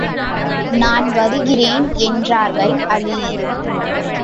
நான் வருகிறேன் என்றார்கள் அலீ.